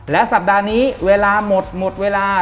และสัปดาห์นี้เวลาหมดหมดเวลา